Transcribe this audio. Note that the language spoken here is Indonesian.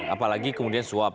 apalagi kemudian swab